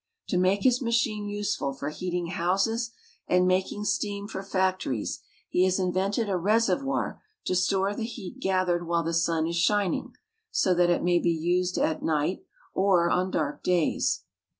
To make his machine useful for heating houses and making steam for factories he has invented a reservoir to store the heat gathered while the sun is shining, so that it may be used at night or on dark days.